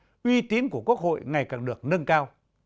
năng lực uy tín của quốc hội ngày càng được nâng cao